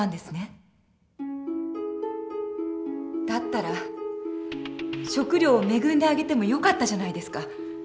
だったら食料を恵んであげてもよかったじゃないですか？